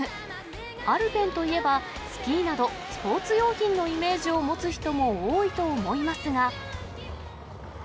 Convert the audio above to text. アルペンといえば、スキーなどスポーツ用品のイメージを持つ人も多いと思いますが。